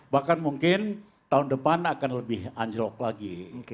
bahkan mungkin tahun depan akan lebih anjlok lagi